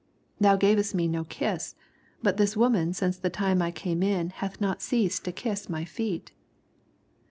45 Thou gavest me no kiss: but this woman since the time I came in hath not ceased to kiss my feet.